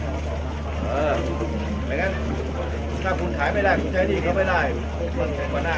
เมืองอัศวินธรรมดาคือสถานที่สุดท้ายของเมืองอัศวินธรรมดา